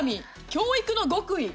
教育の極意。